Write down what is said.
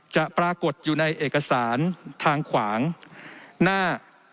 ปรากฏอยู่ในเอกสารทางขวางหน้า